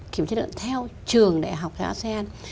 kiểm chất lượng theo trường đại học của asean